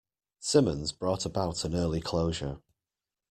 Simmons brought about an early closure..